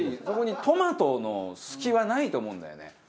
そこにトマトの隙はないと思うんだよね。